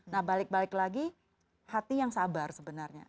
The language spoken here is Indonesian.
nah balik balik lagi hati yang sabar sebenarnya